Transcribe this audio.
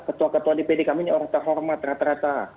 ketua ketua dpd kami ini orang terhormat rata rata